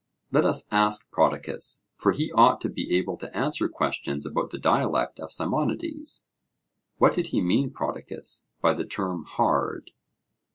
Let us ask Prodicus, for he ought to be able to answer questions about the dialect of Simonides. What did he mean, Prodicus, by the term 'hard'?